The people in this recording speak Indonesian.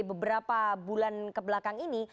beberapa bulan kebelakang ini